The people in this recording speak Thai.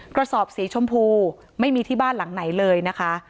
กระสอบสีชมพูไม่มีที่บ้านหลังไหนเลยนะคะ